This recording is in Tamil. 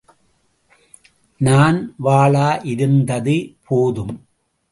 நான் வாளா இருந்தது போதும்.